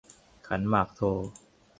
ขันหมากโท